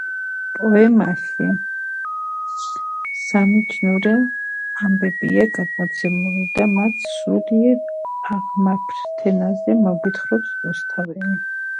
აცტეკების აზრით, სამყარომ რამდენიმე ერა გადალახა, რომლების დროსაც მზე სხვადასხვა ღმერთი იყო.